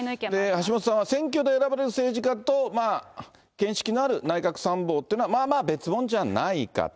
橋下さんは選挙で選ばれた政治家と見識のある内閣参謀というのは、まあまあ別もんじゃないかと。